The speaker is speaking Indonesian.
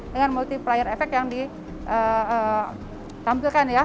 dengan multiplier effect yang ditampilkan ya